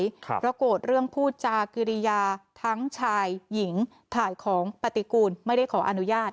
เพราะโกรธเรื่องพูดจากกิริยาทั้งชายหญิงถ่ายของปฏิกูลไม่ได้ขออนุญาต